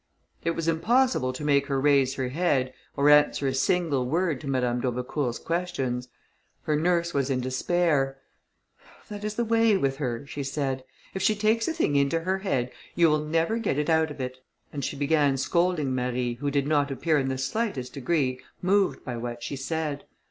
It was impossible to make her raise her head, or answer a single word to Madame d'Aubecourt's questions. Her nurse was in despair: "That is the way with her," she said; "if she takes a thing into her head, you will never get it out of it;" and she began scolding Marie, who did not appear in the slightest degree moved by what she said.